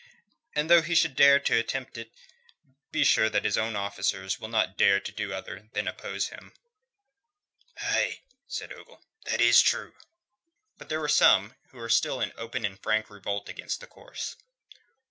And though he should dare attempt it, be sure that his own officers will not dare to do other than oppose him." "Aye," said Ogle, "that is true." But there were some who were still in open and frank revolt against the course.